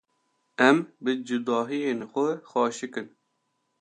Em bi cudahiyên xwe xweşik in.